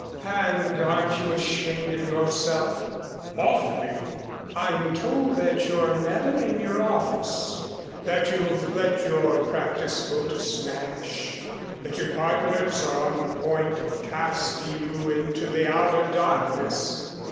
"And aren't you ashamed of yourself?" "Awfully." "I'm told that you're never in your office, that you've let your practice go to smash, that your partners are on the point of casting you into the outer darkness."